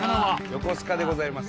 横須賀でございます。